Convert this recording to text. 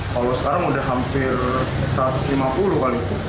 kalau sekarang sudah hampir satu ratus lima puluh kali